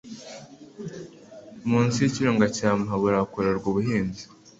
munsi y'ikirunga cya Muhabura hakorerwa ubuhinzi